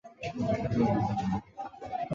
皇佑元年十一月卒。